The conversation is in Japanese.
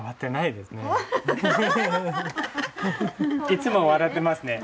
いつも笑ってますね。